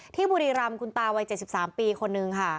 บุรีรำคุณตาวัย๗๓ปีคนนึงค่ะ